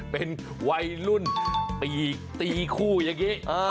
เป็นวัยรุ่นปีกตีคู่อย่างนี้